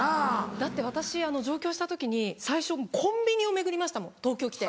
だって私上京した時に最初コンビニを巡りましたもん東京来て。